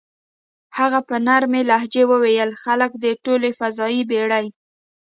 هغې په نرمه لهجه وویل: "خلک د ټولې فضايي بېړۍ.